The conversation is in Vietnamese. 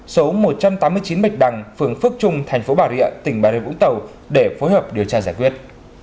số một trăm tám mươi chín bạch đằng phường phước trung thành phố bà rịa tỉnh bà rịa vũng tàu để phối hợp điều tra giải quyết